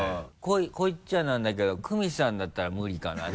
こう言っちゃなんだけどクミさんだったら無理かなって。